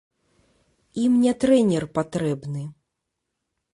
Ім не трэнер патрэбны.